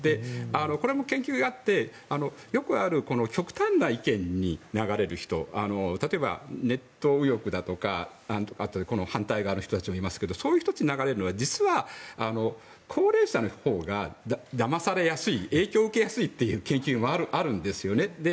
これも研究があってよくある極端な意見に流れる人例えば、ネット右翼だとか反対側の人たちもいますけどそういう人たちに流れるのは実は高齢者のほうがだまされやすい影響を受けやすいという研究もあるんですよね。